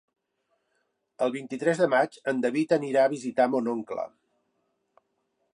El vint-i-tres de maig en David anirà a visitar mon oncle.